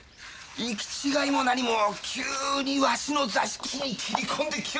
行き違いも何も急にわしの座敷に斬り込んできおってのう！